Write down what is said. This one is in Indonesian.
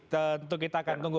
tentu kita akan tunggu